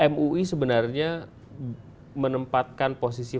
mui sebenarnya menempatkan posisi